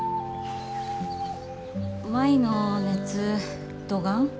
舞の熱どがん？